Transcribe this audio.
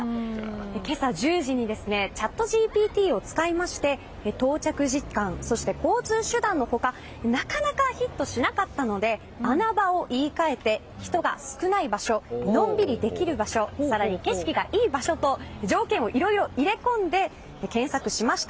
今朝１０時にチャットＧＰＴを使いまして到着時間、そして交通手段の他なかなかヒットしなかったので穴場を言い換えて人が少ない場所のんびりできる場所更に景色がいい場所と条件をいろいろと入れ込んで検索しました。